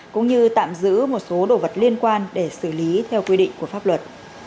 cũng như tạm giữ một số đồ vật liên quan để xử lý theo quy định của pháp luật